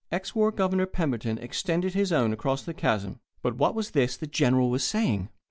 Ex war Governor Pemberton extended his own across the chasm. But what was this the General was saying?